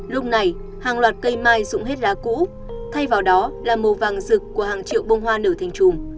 lúc này hàng loạt cây mai rụng hết lá cũ thay vào đó là màu vàng rực của hàng triệu bông hoa nở thành trùm